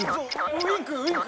ウィンクウィンク。